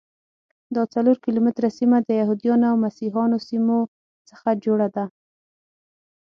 دا څلور کیلومتره سیمه د یهودانو او مسیحیانو سیمو څخه جوړه ده.